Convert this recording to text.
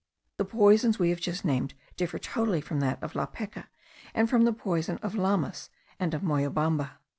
The poisons we have just named differ totally from that of La Peca, and from the poison of Lamas and of Moyobamba.